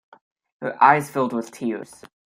Her eyes filled with tears.